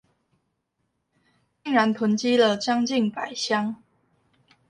竟然囤積了將近百箱